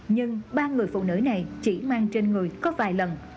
nhưng ba người phụ nữ này chỉ mang trên người có vài lần